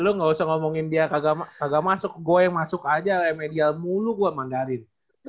eh lo gak usah ngomongin dia kagak masuk gue yang masuk aja lah ya medial mulu gue mandarin